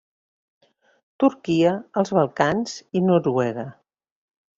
Turquia, els Balcans i Noruega.